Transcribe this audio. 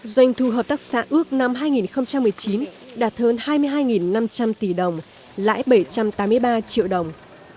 doanh thu hợp tác xã ước năm hai nghìn một mươi chín đạt hơn hai mươi hai năm trăm linh tỷ đồng lãi bảy trăm tám mươi ba triệu đồng